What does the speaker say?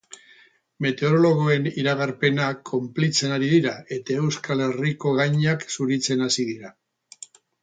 Meteorologoen iragarpenak konplitzen ari dira, eta Euskal Herriko gainak zuritzen hasi dira.